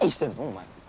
お前。